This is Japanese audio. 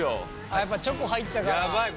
やっぱチョコ入ったから。